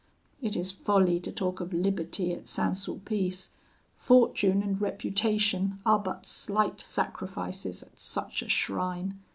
It is folly to talk of liberty at St. Sulpice. Fortune and reputation are but slight sacrifices at such a shrine!